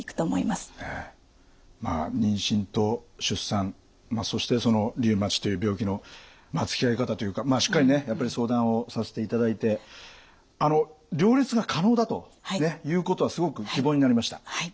まあ妊娠と出産そしてそのリウマチという病気のつきあい方というかしっかりねやっぱり相談をさせていただいて両立が可能だということはすごく希望になりました。